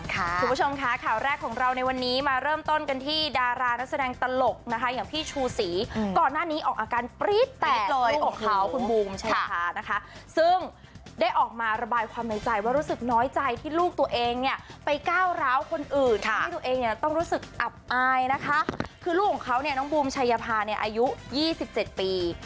คือลูกของเขาเนี่ยน้องบูมชายภาเนี่ยอายุ๒๗ปี